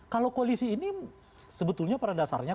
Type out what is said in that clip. kalau koalisi ini sebetulnya pada dasarnya